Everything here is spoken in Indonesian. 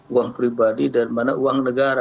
uang pribadi dan mana uang negara